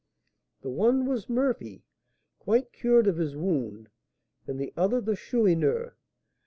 The one was Murphy, quite cured of his wound, and the other the Chourineur.